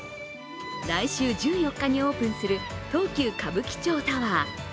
来週１４日にオープンする東急歌舞伎町タワー。